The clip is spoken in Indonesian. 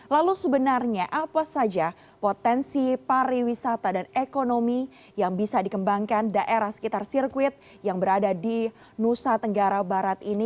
lalu sebenarnya apa saja potensi pariwisata dan ekonomi yang bisa dikembangkan daerah sekitar sirkuit yang berada di nusa tenggara barat ini